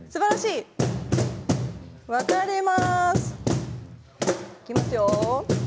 いきますよ。